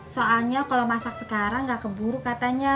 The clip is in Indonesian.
soalnya kalo masak sekarang gak keburu katanya